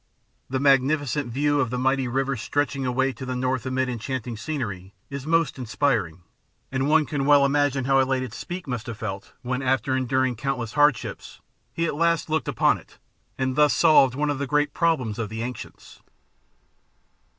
The magnificent view of the mighty river stretching away to the north amid enchanting scenery is most inspiring and one can well imagine how elated Speke must have felt when after enduring countless hardships, he at last looked upon it and thus solved one of the great problems the ancients.